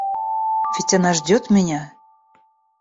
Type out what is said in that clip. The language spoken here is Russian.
Ведь она ждет меня?